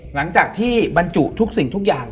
หลังจากที่บรรจุทุกสิ่งทุกอย่าง